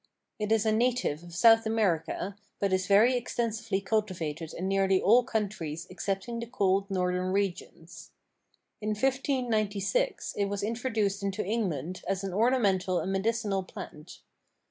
It is a native of South America, but is very extensively cultivated in nearly all countries excepting the cold northern regions. In 1596 it was introduced into England as an ornamental and medicinal plant.